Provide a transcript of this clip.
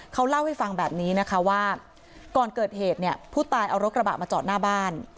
เขาเล่าให้ฟังแบบนี้นะคะว่าก่อนเกิดเหตุเนี่ยผู้ตายเอารถกระบะมาจอดหน้าบ้าน